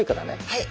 はい。